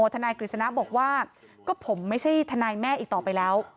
ทนายกฤษณะบอกว่าก็ผมไม่ใช่ทนายแม่อีกต่อไปแล้ว